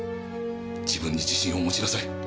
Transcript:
自分に自信をお持ちなさい。